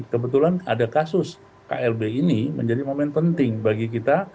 kebetulan ada kasus klb ini menjadi momen penting bagi kita